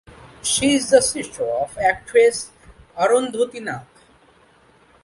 She is the sister of actress Arundhati Nag.